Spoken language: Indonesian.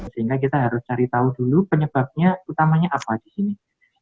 sehingga kita harus cari tahu dulu penyebabnya utamanya apa di sini